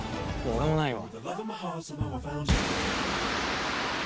俺もないわ。